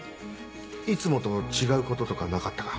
いつもと違うこととかなかったか？